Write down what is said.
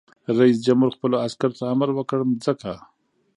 رئیس جمهور خپلو عسکرو ته امر وکړ؛ ځمکه!